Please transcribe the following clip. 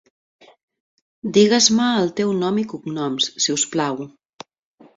Digues-me el teu nom i cognoms, si us plau.